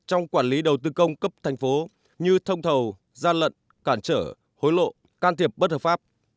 trong quản lý đầu tư công cấp thành phố như thông thầu gian lận cản trở hối lộ can thiệp bất hợp pháp